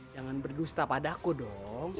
jangan berdusta padaku dong